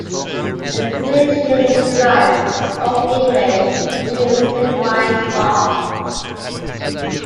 The village name is derived from Old English, and means 'Sigewine's farm'.